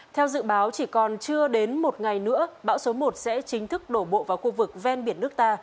theo dự báo chỉ còn chưa đến một ngày nữa bão số một sẽ chính thức đổ bộ vào khu vực ven biển nước ta